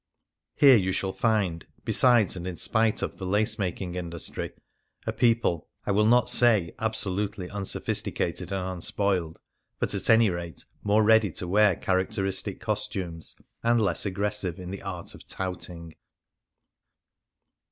Here you shall find (besides, and in spite of, the lace making industry) a people — I will not say absolutely unsophisticated and unspoiled — but at any rate more ready to wear characteristic costumes, and less aggressive in the art of touting.